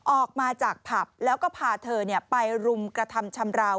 ออกมาจากผับแล้วก็พาเธอไปรุมกระทำชำราว